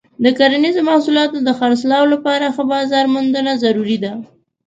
د کرنیزو محصولاتو د خرڅلاو لپاره ښه بازار موندنه ضروري ده.